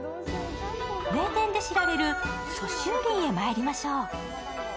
名店で知られる蘇州林へまいりましょう。